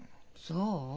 そう？